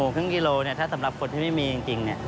ครึ่งกิโลถ้าสำหรับคนที่ไม่มีจริง